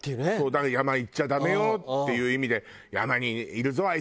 だから山行っちゃダメよっていう意味で「山にいるぞあいつが」みたいなさ。